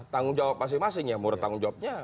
tanggung jawab masing masing ya murah tanggung jawabnya